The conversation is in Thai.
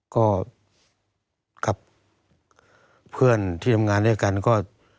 ก็กับเพื่อนที่ทำงานด้วยกันก็